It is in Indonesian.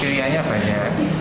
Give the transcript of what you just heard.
saya lebih suka yang baru